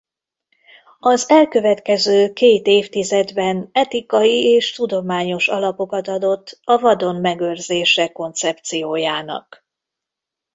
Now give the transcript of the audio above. Az elkövetkező két évtizedben etikai és tudományos alapokat adott a vadon megőrzése koncepciójának.